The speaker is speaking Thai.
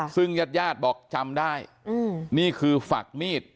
ซึ่งญาติญาติบอกจำได้นี่คือฝักมีด